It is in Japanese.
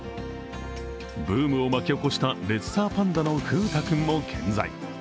ブームを巻き起こしたレッサーパンダの風太くんも健在。